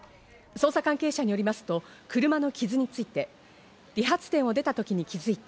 捜査関係者によりますと車の傷について、理髪店を出た時に気づいた。